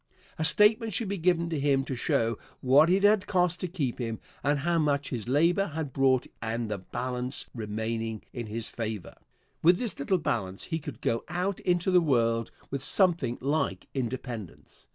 A statement should be given to him to show what it had cost to keep him and how much his labor had brought and the balance remaining in his favor. With this little balance he could go out into the world with something like independence.